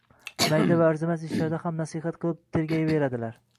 Mayda va arzimas ishlarda ham nasihat qilib tergayveradilar.